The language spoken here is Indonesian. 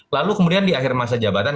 lalu kemudian di akhir masa jabatan